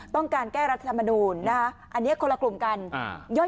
ต้องการแก้รัฐธรรมนูญนะคะอันนี้คนละกลุ่มกัน